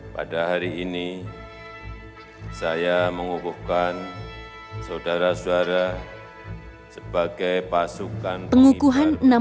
pada hari ini saya mengukuhkan saudara saudara sebagai pasukan pengibar